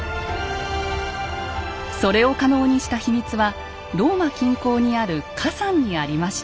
それを可能にした秘密はローマ近郊にある火山にありました。